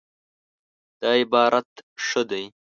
دا عبارت ښه دی